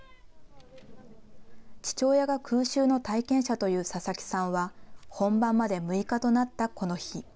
父親が空襲の体験者という佐々木さんは、本番まで６日となったこの日。